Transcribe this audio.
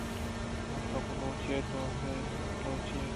اگاں تو بلوچے ئے ءُ تو ابید ءَ بلوچی